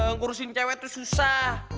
ngurusin cewek tuh susah